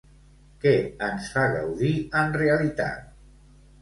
Què ens fa gaudir en realitat?